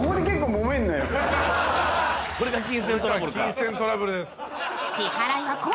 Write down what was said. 金銭トラブルです。